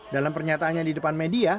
dalam pernyataannya di depan media